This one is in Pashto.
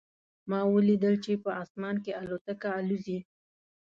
ما ولیدل چې په اسمان کې الوتکه الوزي